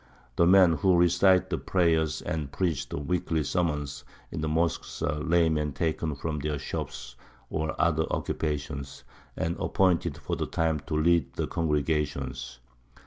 The men who recite the prayers and preach the weekly sermons in the mosques are laymen taken from their shops or other occupations, and appointed for the time to lead the congregations.